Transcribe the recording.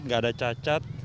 nggak ada cacat